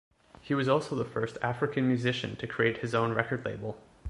He was also the first African musician to create his own record label.